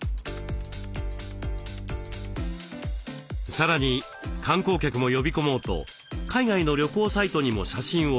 さらに観光客も呼び込もうと海外の旅行サイトにも写真を掲載。